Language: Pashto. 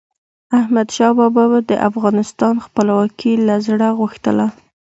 احمدشاه بابا به د افغانستان خپلواکي له زړه غوښتله.